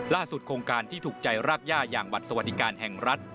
โครงการที่ถูกใจรากย่าอย่างบัตรสวัสดิการแห่งรัฐ